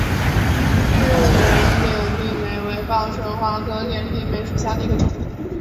绿棱点地梅为报春花科点地梅属下的一个种。